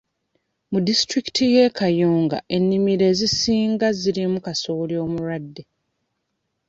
Mu disitulikiti y'e Kayunga, ennimiro ezisinga zirimu kasooli omulwadde.